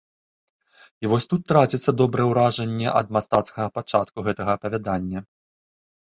І вось тут траціцца добрае ўражанне ад мастацкага пачатку гэтага апавядання.